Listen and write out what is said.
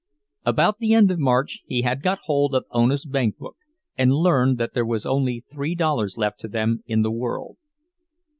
About the end of March he had got hold of Ona's bankbook, and learned that there was only three dollars left to them in the world.